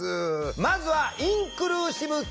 まずは「インクルーシブ教育」。